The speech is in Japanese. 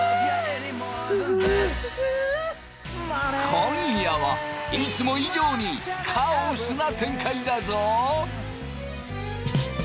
今夜はいつも以上にカオスな展開だぞ。